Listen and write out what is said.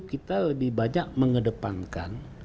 kita lebih banyak mengedepankan